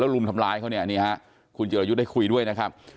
รุมทำร้ายเขาเนี่ยนี่ฮะคุณจิรยุทธ์ได้คุยด้วยนะครับ